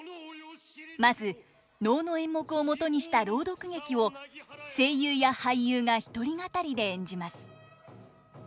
まず能の演目をもとにした朗読劇を声優や俳優が一人語りで演じます。